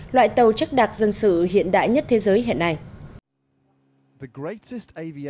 loại tàu chất đặc dân sự hiện đại nhất thế giới hiện nay